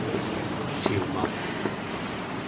潮文